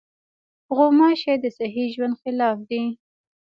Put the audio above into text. غوماشې د صحي ژوند خلاف دي.